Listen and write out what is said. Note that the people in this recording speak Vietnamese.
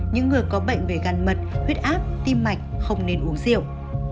những người có bệnh về gan mật huyết áp tim mạch không nên uống rượu